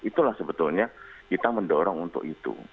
itulah sebetulnya kita mendorong untuk itu